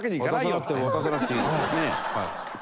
渡さなくていい渡さなくていい。